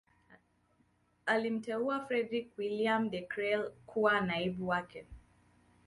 Alimteua Fredrick Willeum De Krelk kuwa naibu wake